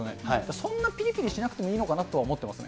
そんなぴりぴりしなくてもいいのかなと思ってますね。